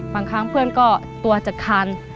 บางครั้งเพื่อนก็ตัวจะคาน